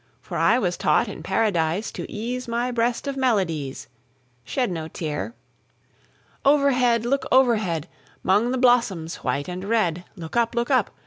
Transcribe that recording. For I was taught in Paradise To ease my breast of melodies Shed no tear. Overhead! look overhead! 'Mong the blossoms white and red Look up, look up.